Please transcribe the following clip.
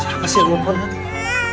siapa sih yang nelfon